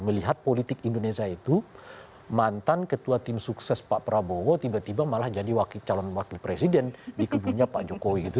melihat politik indonesia itu mantan ketua tim sukses pak prabowo tiba tiba malah jadi calon wakil presiden di kubunya pak jokowi gitu